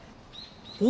お！